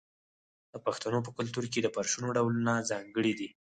د پښتنو په کلتور کې د فرشونو ډولونه ځانګړي دي.